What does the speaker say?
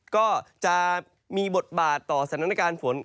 ก็จะมีบทบาทต่อสถานการณ์ฝน